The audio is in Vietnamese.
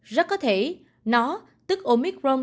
rất có thể nó tức omicron